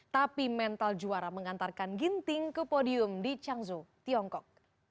tapi mental juara mengantarkan ginting ke podium di changzhou tiongkok